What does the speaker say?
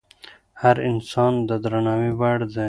هر انسان د درناوي وړ دی.